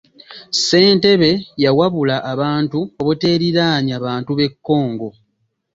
Ssentebe yawabula abantu obuteeriraanya bantu b'e Congo.